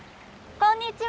こんにちは！